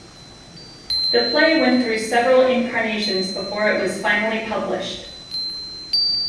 The play went through several incarnations before it was finally published.